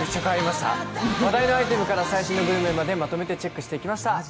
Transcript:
話題のアイテムから最新のアイテムまでまとめてチェックしてきました。